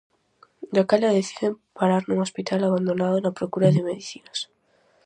Daquela deciden parar nun hospital abandonado na procura de medicinas.